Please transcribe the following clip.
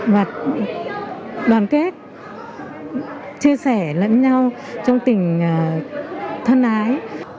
và đoàn kết chia sẻ lẫn nhau trong tình thân ái